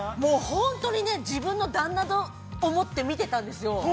◆本当に自分の旦那と思って見てたんですよ。